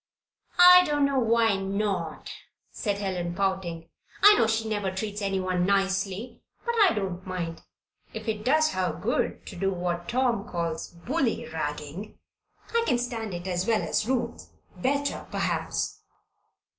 "I don't know why not," said Helen, pouting. "I know she never treats anyone nicely, but I don't mind. If it does her good to do what Tom calls 'bully ragging,' I can stand it as well as Ruth better, perhaps."